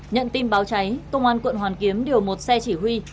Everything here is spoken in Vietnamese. nhận tin báo cháy công an quận hoàn kiếm điều một xe chỉ huy